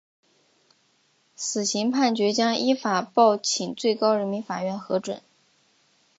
死刑判决将依法报请最高人民法院核准。